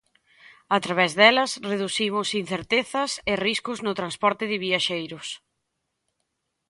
A través delas reducimos incertezas e riscos no transporte de viaxeiros.